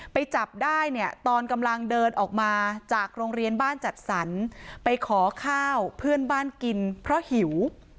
ไปจับได้เนี่ยตอนกำลังเดินออกมาจากโรงเรียนบ้านจัดสรรไปขอข้าวเพื่อนบ้านกินเพราะหิว